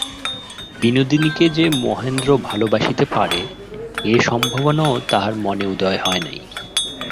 বিনোদিনীকে যে মহেন্দ্র ভালোবাসিতে পারে, এ সম্ভাবনাও তাহার মনে উদয় হয় নাই।